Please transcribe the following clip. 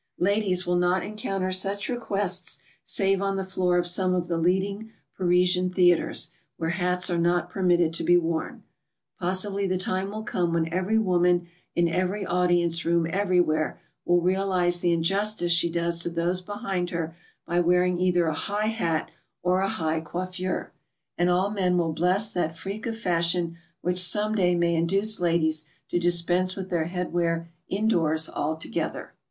Ladies will not encounter such requests save on the floor of some of the leading Parisian theatres, where hats are not permitted to be worn. Possibly the time will come when every woman in every audience room everywhere will realize the injustice she does to those behind her by wearing either a high hat or a high coiffure; and all men will bless that freak of fashion which some day may induce ladies to dis pense with their head wear in doors altogether.